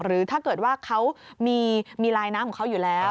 หรือถ้าเกิดว่าเขามีลายน้ำอยู่แล้ว